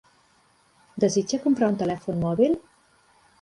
Desitja comprar un telèfon mòbil?